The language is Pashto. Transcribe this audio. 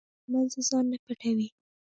چرګان د خلکو له منځه ځان نه پټوي.